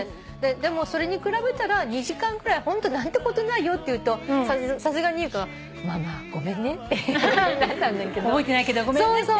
でもそれに比べたら２時間ぐらいホント何てことないよって言うとさすがに優香が「ママごめんね」って。覚えてないけどごめんねって。